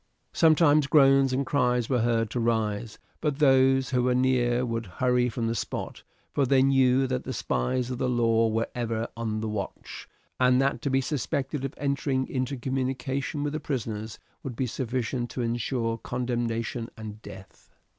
Sometimes groans and cries were heard to rise, but those who were near would hurry from the spot, for they knew that the spies of the law were ever on the watch, and that to be suspected of entering into communication with the prisoners would be sufficient to ensure condemnation and death.